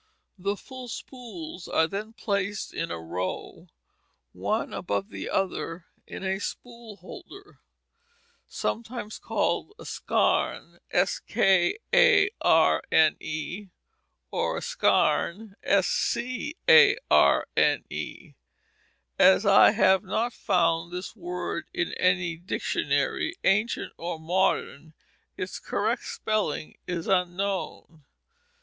The full spools are then placed in a row one above the other in a spool holder, sometimes called a skarne or scarne. As I have not found this word in any dictionary, ancient or modern, its correct spelling is unknown.